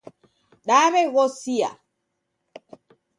Daw'eghosia